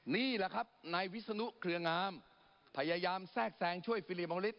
นี่แหละครับนายวิศนุเครืองามพยายามแทรกแซงช่วยฟิลิมองฤท